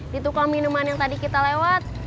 di tukang minuman yang tadi kita lewat